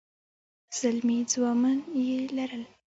زلمي زامن يې لرل.